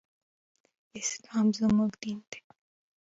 اسلام زموږ دين دی